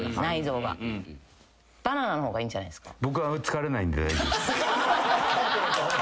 バナナの方がいいんじゃないっすか？